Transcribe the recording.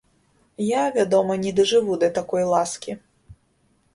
Я, вядома, не дажыву да такой ласкі.